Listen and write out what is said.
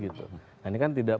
ini kan tidak